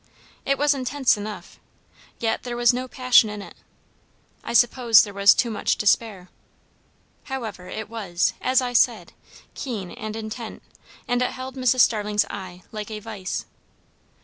It was intense enough, yet there was no passion in it; I suppose there was too much despair; however, it was, as I said, keen and intent, and it held Mrs. Starling's eye, like a vice.